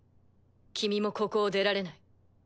君もここを出られない。